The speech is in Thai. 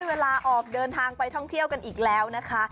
เวลาออกเดินทางไปท่องเที่ยวกันอีกแล้วนะคะ